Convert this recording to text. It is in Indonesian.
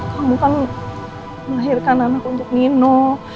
kamu kan melahirkan anak untuk nino